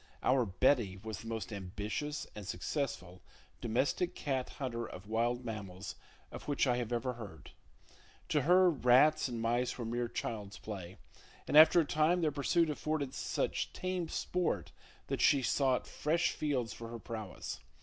Our "Betty" was the most ambitious and successful domestic cat hunter of wild mammals of which I ever have heard. To her, rats and mice were mere child's play, and after a time their pursuit offered such tame sport that she sought fresh fields for her prowess.